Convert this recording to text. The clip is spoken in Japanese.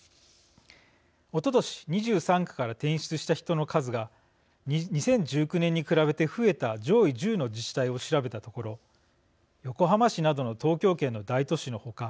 おととし２３区から転出した人の数が２０１９年に比べて増えた上位１０の自治体を調べたところ横浜市などの東京圏の大都市の他